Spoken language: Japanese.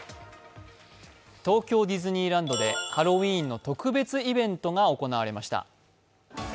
東京ディズニーランドでハロウィーンの特別イベントが行われました。